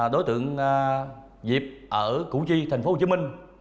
đối tượng diệp ở củ chi thành phố hồ chí minh